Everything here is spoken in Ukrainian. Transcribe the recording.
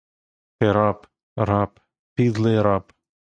Ти раб, раб, підлий раб!